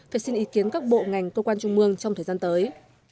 phải xin ý kiến các bộ ngành cơ quan trung mương trong thời gian tới